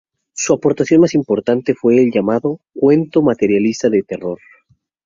Su aportación más importante fue el llamado "cuento materialista de terror".